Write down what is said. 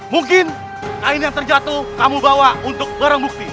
mungkin kain yang terjatuh kamu bawa untuk barang bukti